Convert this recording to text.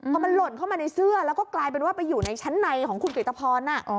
พอมันหล่นเข้ามาในเสื้อแล้วก็กลายเป็นว่าไปอยู่ในชั้นในของคุณกริตภร